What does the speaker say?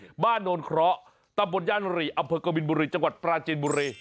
ที่หมู่๔บ้านโน้นเคราะห์ตำบดยานริอเภิกบินบุรีจังหวัดปราจินบุรี